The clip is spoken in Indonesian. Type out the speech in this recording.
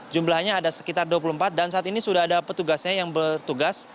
jumlahnya ada sekitar dua puluh empat dan saat ini sudah ada petugasnya yang bertugas